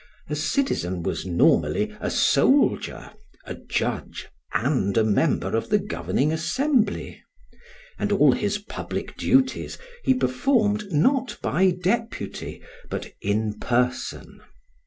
A citizen was normally a soldier, a judge, and a member of the governing assembly; and all his public duties he performed not by deputy, but in person.